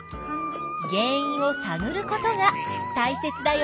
原いんをさぐることがたいせつだよ。